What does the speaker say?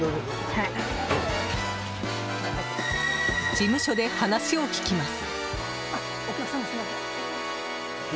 事務所で話を聞きます。